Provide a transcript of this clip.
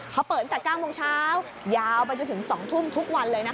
เขาเปิดตั้งแต่๙โมงเช้ายาวไปจนถึง๒ทุ่มทุกวันเลยนะคะ